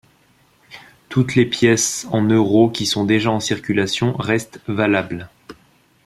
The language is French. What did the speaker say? Toutes les pièces en euro qui sont déjà en circulation restent valables.